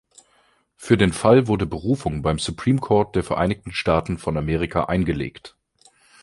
Für den Fall wurde Berufung beim Supreme Court der Vereinigten Staaten von Amerika eingelegt.